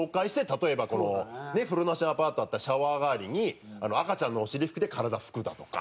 例えば風呂なしアパートだったらシャワー代わりに赤ちゃんのお尻拭きで体を拭くだとか。